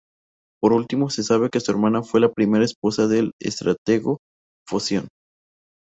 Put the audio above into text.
Por último, se sabe que su hermana fue la primera esposa del estratego Foción.